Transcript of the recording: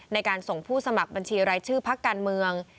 ในการส่งผู้สมัครบัญชีรายชื่อพักการเมือง